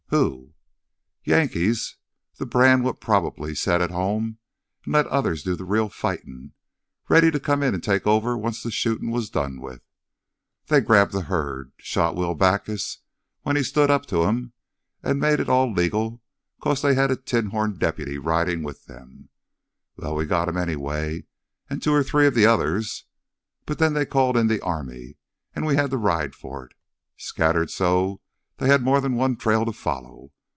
"Who?" "Yankees—th' brand what probably set at home an' let others do th' real fightin'—ready to come in an' take over once th' shootin' was done with. They grabbed th' herd. Shot Will Bachus when he stood up to 'em, an' made it all legal 'cause they had a tin horn deputy ridin' with 'em. Well, we got him anyway an' two or three of th' others. But then they called in th' army, an' we had to ride for it. Scattered so they had more'n one trail to follow.